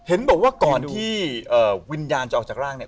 เห็นบอกว่าก่อนที่วิญญาณจะออกจากร่างเนี่ย